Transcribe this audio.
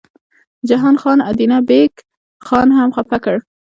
جهان خان ادینه بېګ خان هم خپه کړ.